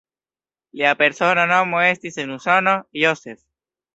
Lia persona nomo estis en Usono "Joseph".